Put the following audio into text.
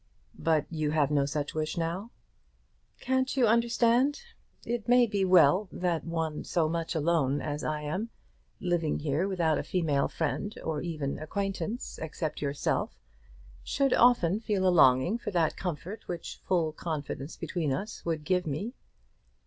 "But you have no such wish now?" "Can't you understand? It may well be that one so much alone as I am, living here without a female friend, or even acquaintance, except yourself, should often feel a longing for that comfort which full confidence between us would give me."